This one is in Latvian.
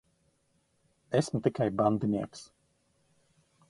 Esmu tikai bandinieks.